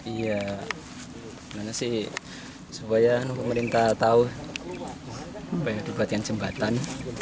iya mana sih supaya pemerintah tahu banyak dibuatkan jembatan